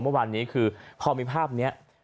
เมื่อวานนี้คือพอมีภาพนี้